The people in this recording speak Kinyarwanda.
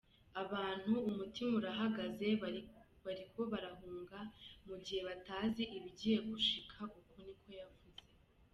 "Abantu umutima urahagaze, bariko barahunga" mu gihe batazi ibigiye gushika , uko ni ko yavuze.